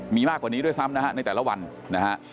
มีมากกว่านี้ด้วยซ้ำนะฮะในแต่ละวันนะฮะ